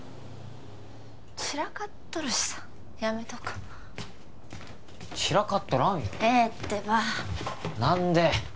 散らかっとるしさやめとこ散らかっとらんよええってば何で？